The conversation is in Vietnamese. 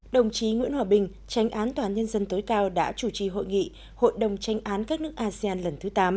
đồng chí nguyễn hòa bình tránh án tòa án nhân dân tối cao đã chủ trì hội nghị hội đồng tranh án các nước asean lần thứ tám